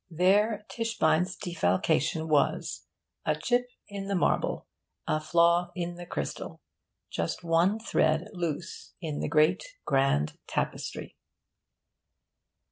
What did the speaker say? There Tischbein's defalcation was; a chip in the marble, a flaw in the crystal, just one thread loose in the great grand tapestry.